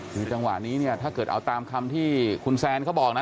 คือจังหวะนี้เนี่ยถ้าเกิดเอาตามคำที่คุณแซนเขาบอกนะ